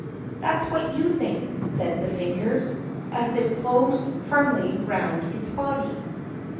"That's what you think," said the fingers, as they closed firmly round its body.